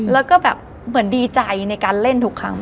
แล้วก็แบบเหมือนดีใจในการเล่นทุกครั้ง